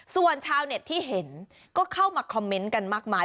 ส่วนชาวเน็ตที่เห็นก็เข้ามาคอมเมนต์กันมากมาย